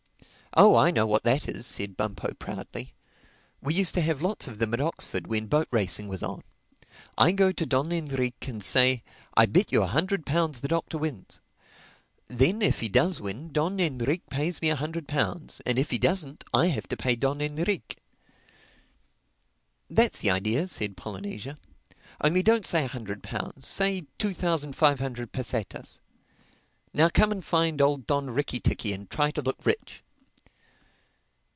"Oh I know what that is," said Bumpo proudly. "We used to have lots of them at Oxford when boat racing was on. I go to Don Enrique and say, 'I bet you a hundred pounds the Doctor wins.' Then if he does win, Don Enrique pays me a hundred pounds; and if he doesn't, I have to pay Don Enrique." "That's the idea," said Polynesia. "Only don't say a hundred pounds: say two thousand five hundred pesetas. Now come and find old Don Ricky ticky and try to look rich."